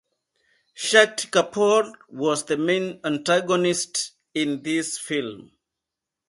Shakti Kapoor was the main antagonist in this film.